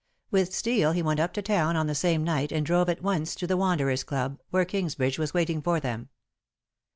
With Steel he went up to Town on that same night and drove at once to the Wanderers' Club, where Kingsbridge was waiting for them.